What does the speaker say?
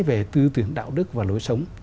về tư tưởng đạo đức và lối sống